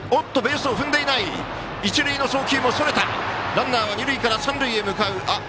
ランナー、二塁から三塁へ向かう。